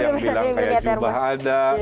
yang bilang kayak jubah ada